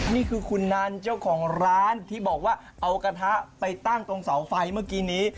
นี่คือคุณนันเจ้าของร้านที่บอกว่าเอากระทะไปตั้งตรงเสาไฟเมื่อกี้นี้